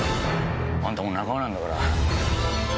あんたも仲間なんだから。